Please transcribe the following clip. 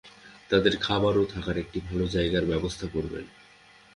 তাদের খাবার ও থাকার একটি ভাল জায়গার ব্যবস্থা করবেন।